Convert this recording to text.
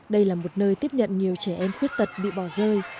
đây là một nơi tiếp nhận nhiều trẻ em khuyết tật bị bỏ rơi